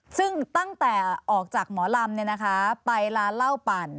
ซึ่งตั้งแต่ออกจากหมอรำเนี่ยนะคะไปร้านเหล้าปั่น